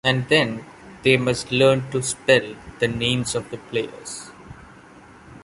And then they must learn to spell the names of the players.